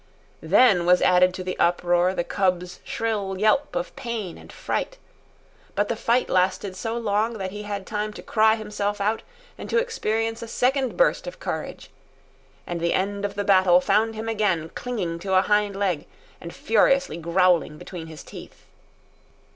Then was added to the uproar the cub's shrill yelp of pain and fright. But the fight lasted so long that he had time to cry himself out and to experience a second burst of courage; and the end of the battle found him again clinging to a hind leg and furiously growling between his teeth.